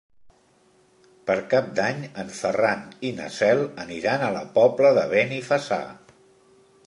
Per Cap d'Any en Ferran i na Cel aniran a la Pobla de Benifassà.